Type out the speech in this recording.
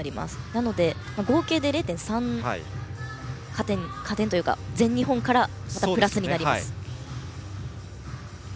なので合計で０．３の加点というか全日本からプラスになります。